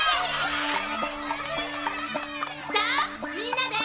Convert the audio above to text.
さあみんなで！